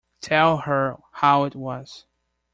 Tell her how it was.